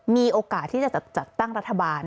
มีโอกาสที่จะจัดตั้งรัฐบาล